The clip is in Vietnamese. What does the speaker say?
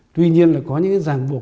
tuy nhiên là có những ràng buộc